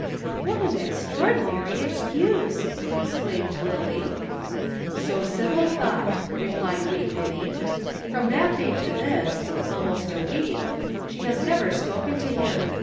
"What an extraordinary excuse," exclaimed Lillie. "So Sybil thought," replied Wee Winnie. "From that day to this almost a week she has never spoken to him.